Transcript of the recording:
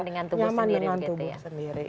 nyaman dengan tubuh sendiri